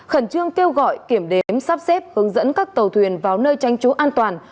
khẩn trương kêu gọi kiểm đếm sắp xếp hướng dẫn các tàu thuyền vào nơi tranh trú an toàn